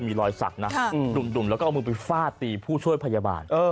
มีลอยสักดุ่มแล้วก็เอามือไปฝ้าตีครอบครัวผู้ช่วยพยาบาล